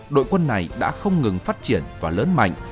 đội quân này đã không ngừng phát triển và lớn mạnh